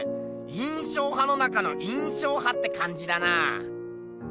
印象派の中の印象派ってかんじだなあ。